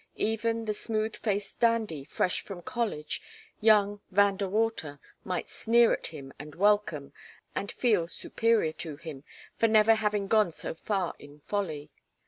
Even the smooth faced dandy, fresh from college, young Van De Water, might sneer at him and welcome, and feel superior to him, for never having gone so far in folly.